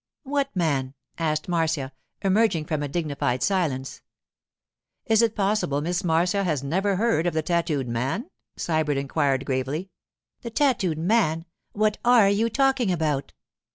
'What man?' asked Marcia, emerging from a dignified silence. 'Is it possible Miss Marcia has never heard of the tattooed man?' Sybert inquired gravely. 'The tattooed man! What are you talking about?